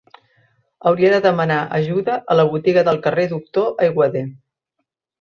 Hauria de demanar ajuda a la botiga del carrer Doctor Aiguader.